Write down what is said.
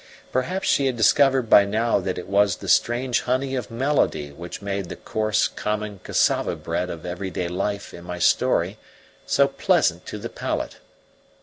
Perhaps she had discovered by now that it was the strange honey of melody which made the coarse, common cassava bread of everyday life in my story so pleasant to the palate.